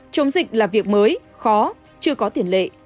chống dịch là việc mới khó chưa có tiền lệ